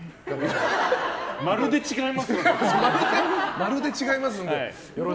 まるで違いますね。